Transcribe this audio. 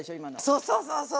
そうそうそうそう。